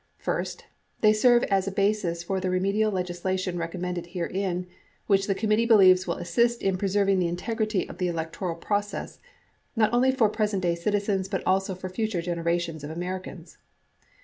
First, they serve as a basis for the remedial legislation recommended herein which the commit tee believes will assist in preserving the integrity of the electoral process not only for present day citizens but also for future genera tions of Americans.